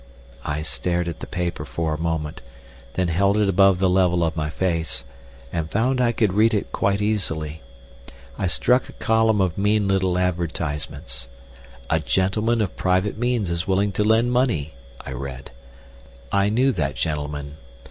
I stared at the paper for a moment, then held it above the level of my face, and found I could read it quite easily. I struck a column of mean little advertisements. "A gentleman of private means is willing to lend money," I read. I knew that gentleman.